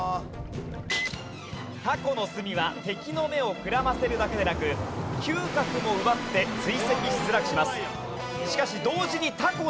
タコの墨は敵の目をくらませるだけでなく嗅覚も奪って追跡しづらくします。